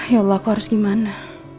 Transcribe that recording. ya allah aku harus gimana